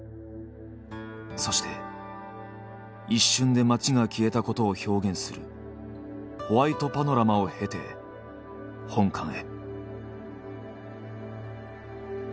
そして一瞬で街が消えたことを表現するホワイトパノラマを経て本館へ。